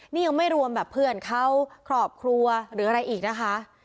นี่ยังไม่รวมแบบเพื่อนเขาครอบครัวหรืออะไรอีกนะคะ